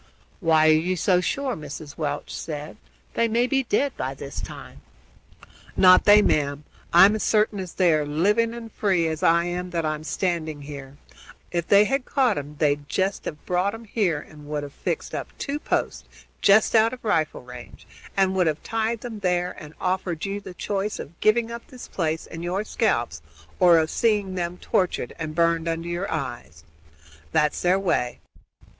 "Why are you so sure?" Mrs. Welch asked. "They may be dead by this time." "Not they, ma'am! I'm as sartin as they're living and free as I am that I'm standing here. I know these Injuns' ways. Ef they had caught 'em they'd jest have brought 'em here and would have fixed up two posts, jest out of rifle range, and would have tied them there and offered you the choice of giving up this place and your scalps or of seeing them tortured and burned under your eyes. That's their way.